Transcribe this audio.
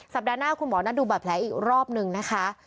สัปดาห์หน้าคุณหมอน่าดูบัตรแผลอีกรอบหนึ่งนะคะ